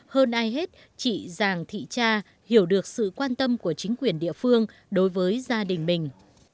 hơn ai hết chị giàng thị cha hiểu được sự quan tâm của chính quyền địa phương đối với gia đình mình